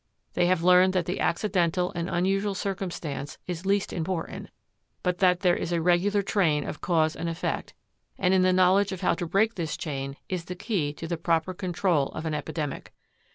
They have learned that the accidental and unusual circumstance is least important, but that there is a regular train of cause and effect, and in the knowledge of how to break this chain is the key to the proper control of an epidemic.